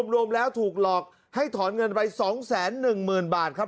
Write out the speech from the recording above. รวมแล้วถูกหลอกให้ถอนเงินไป๒๑๐๐๐บาทครับ